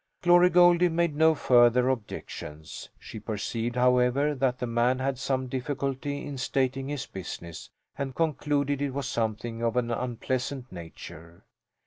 Glory Goldie made no further objections. She perceived, however, that the man had some difficulty in stating his business and concluded it was something of an unpleasant nature.